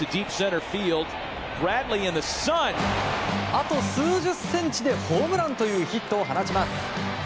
あと数十センチでホームランというヒットを放ちます。